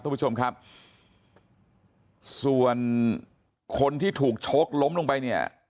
ทุกผู้ชมครับส่วนคนที่ถูกชกล้มลงไปเนี่ย